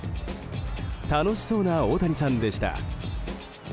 楽しそうな大谷さんでした。